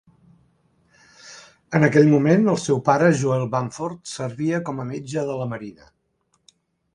En aquell moment, el seu pare, Joel Bamford, servia com a metge de la marina.